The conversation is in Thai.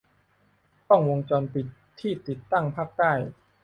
กล้องวงจรปิดที่ติดตั้งภาคใต้